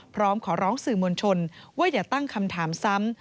พร้อมขอร้องสื่อมวลชนว่าอย่าตั้งคำถามซ้ำ